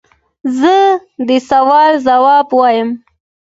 زه د سوال ځواب وایم.